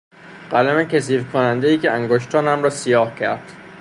قلم کثیف کنندهای که انگشتانم را سیاه کرد